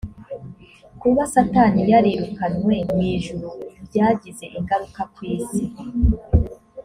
kuba satani yarirukanywe mu ijuru byagize ingaruka kwisi.